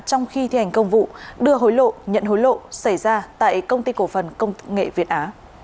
trong khi thi hành công vụ đưa hối lộ nhận hối lộ xảy ra tại công ty cổ phần công nghệ việt á